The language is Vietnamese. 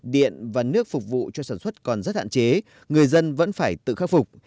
điện và nước phục vụ cho sản xuất còn rất hạn chế người dân vẫn phải tự khắc phục